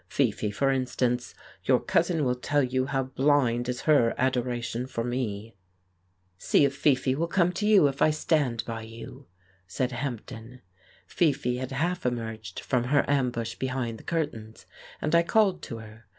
Fifi, for instance : your cousin will tell you how blind is her adoration for me !" "See if Fifi will come to you if I stand by you," said Hampden. Fifi had half emerged from her ambush behind the curtains, and I called to her.